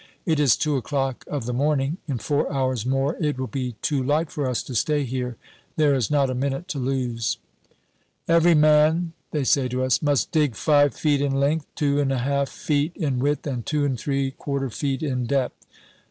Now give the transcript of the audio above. It is two o'clock of the morning; in four hours more it will be too light for us to stay here. There is not a minute to lose. "Every man," they say to us, "must dig five feet in length, two and a half feet in width, and two and three quarter feet in depth.